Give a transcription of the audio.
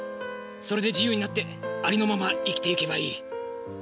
それで自由になってありのまま生きていけばいい。